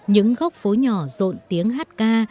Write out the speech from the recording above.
những góc phố nhỏ rộn tiếng hát ca